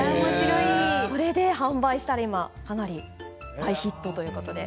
それで販売したら大ヒットということです。